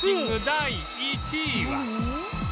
第１位は